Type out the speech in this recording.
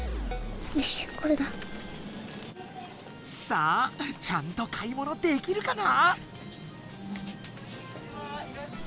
さあちゃんと買い物できるかな？